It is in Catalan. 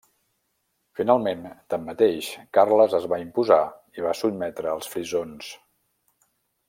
Finalment, tanmateix, Carles es va imposar i va sotmetre als frisons.